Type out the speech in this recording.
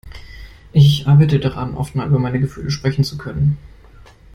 Ich arbeite daran, offener über meine Gefühle sprechen zu können.